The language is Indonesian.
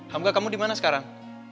hamka kamu dimana sekarang